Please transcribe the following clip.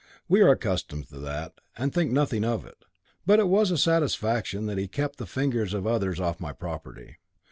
We are accustomed to that, and think nothing of it. But it was a satisfaction that he kept the fingers of the others off my property.